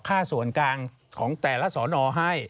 ค่าส่วนกลางของแต่ละสอนอให้